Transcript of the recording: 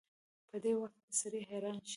په دې وخت کې سړی حيران شي.